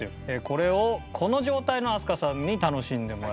これをこの状態の飛鳥さんに楽しんでもらいましょうね。